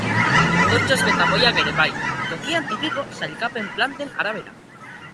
Kortxozko tapoiak ere bai, tokian tokiko sailkapen planten arabera.